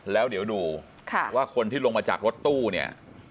แล้วเดี๋ยวดูว่าคนที่ลงมาจากรถตู้เนี่ย